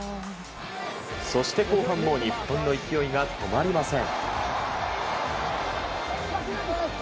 そして、後半も日本の勢いが止まりません。